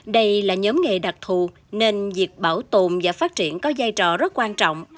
đây là nhóm nghề đặc thù nên việc bảo tồn và phát triển có giai trò rất quan trọng